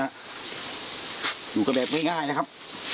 หยุดกระแบบง่ายนะครับ